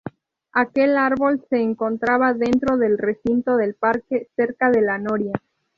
Aquel árbol se encontraba dentro del recinto del parque, cerca de la noria.